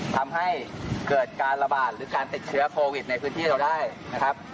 ทำให้เกิดการระบาดหรือการติดเชื้อโควิดในพื้นที่เราได้นะครับ